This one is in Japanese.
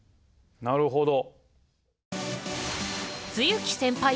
なるほど。